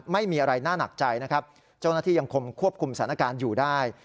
ไม่มีอะไรน่าหนักใจนะครับเจ้าหน้าที่ยังคงควบคุมสถานการณ์อยู่ได้